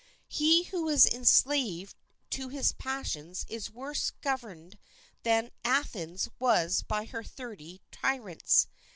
He who is enslaved to his passions is worse governed than Athens was by her thirty tyrants.